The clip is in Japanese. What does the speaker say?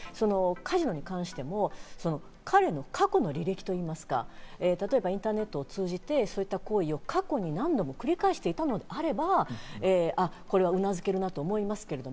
カジノに関しても、彼の過去の履歴といいますか、例えばインターネットを通じて過去に何度もそういったことを繰り返していたのであれば、これはうなずけるなと思いますけど。